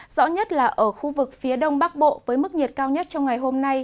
rõ nhất là ở khu vực phía đông bắc bộ với mức nhiệt cao nhất trong ngày hôm nay